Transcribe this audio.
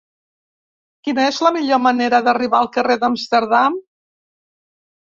Quina és la millor manera d'arribar al carrer d'Amsterdam?